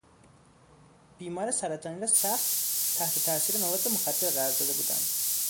بیمار سرطانی را سخت تحت تاثیر مواد مخدر قرار داده بودند.